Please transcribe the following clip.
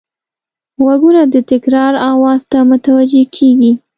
غوږونه د تکرار آواز ته متوجه کېږي